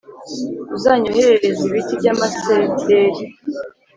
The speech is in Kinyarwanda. Uzanyoherereze ibiti by amasederi